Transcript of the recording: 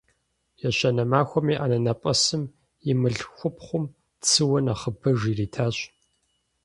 Ещанэ махуэми анэнэпӀэсым и мылъхупхъум цыуэ нэхъыбэж иритащ.